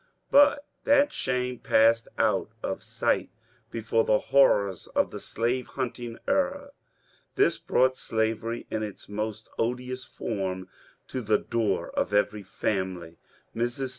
But that shame passed out of sight before the horrors of the slave hunting era. This brought slavery in its most odious form to the door of every family. Mrs.